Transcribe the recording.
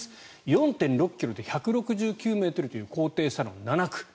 ４．６ｋｍで１６９ｍという高低差の７区。